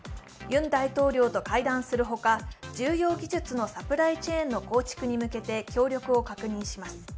ユン大統領と会談するほか重要技術のサプライチェーンの構築に向けて協力を確認します。